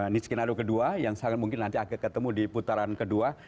niskinado kedua yang sangat mungkin nanti ketemu di putaran kedua